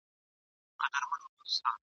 هره شېبه درس د قربانۍ لري !.